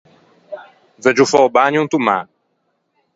Veuggio fâ o bagno into mâ.